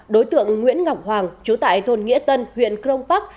đối tượng nguyễn ngọc hoàng chú tại thôn nghĩa tân huyện crong park